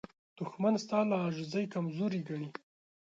دښمن ستا له عاجزۍ کمزوري ګڼي